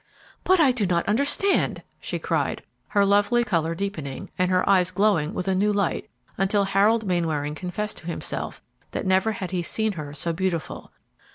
"But I do not understand!" she cried, her lovely color deepening and her eyes glowing with a new light, until Harold Mainwaring confessed to himself that never had he seen her so beautiful.